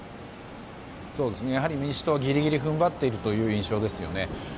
民主党、ギリギリ踏ん張っているという印象ですね。